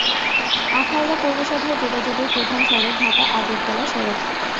আখাউড়া পৌরসভায় যোগাযোগের প্রধান সড়ক ঢাকা-আগরতলা সড়ক।